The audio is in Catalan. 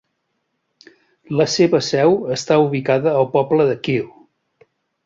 La seva seu està ubicada al poble de Kil.